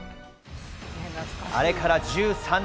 あれから１３年。